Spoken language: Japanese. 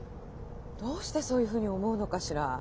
どうしてそういうふうに思うのかしら？